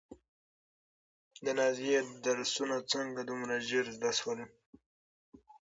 د نازيې درسونه څنګه دومره ژر زده شول؟